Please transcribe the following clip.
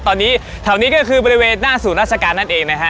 ตอนนี้แถวนี้ก็คือบริเวณหน้าศูนย์ราชการนั่นเองนะฮะ